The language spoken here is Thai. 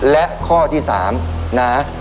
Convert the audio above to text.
และข้อที่สามนะ